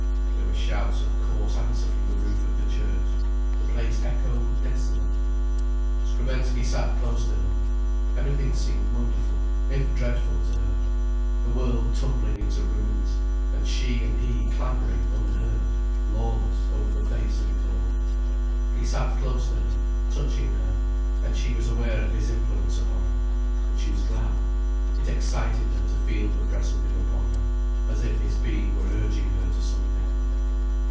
There were shouts of coarse answer from the roof of the church. The place echoed desolate. Skrebensky sat close to her. Everything seemed wonderful, if dreadful to her, the world tumbling into ruins, and she and he clambering unhurt, lawless over the face of it all. He sat close to her, touching her, and she was aware of his influence upon her. But she was glad. It excited her to feel the press of him upon her, as if his being were urging her to something.